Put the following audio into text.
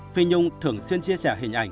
phi nhung thường xuyên chia trẻ hình ảnh